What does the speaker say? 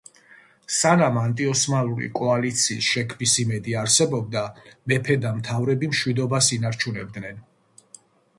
სანამ ანტიოსმალური კოალიციის შექმნის იმედი არსებობდა მეფე და მთავრები მშვიდობას ინარჩუნებდნენ.